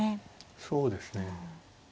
そうですね。